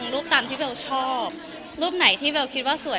รูปตามที่เบลชอบรูปไหนที่เบลคิดว่าสวย